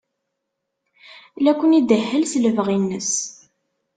La ken-idehhel s lebɣi-nnes.